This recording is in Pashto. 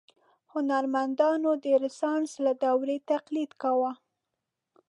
هنرمندانو د رنسانس له دورې تقلید کاوه.